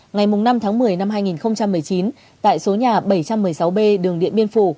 ngày năm tháng một mươi năm hai nghìn một mươi chín tại số nhà bảy trăm một mươi sáu b đường điện biên phủ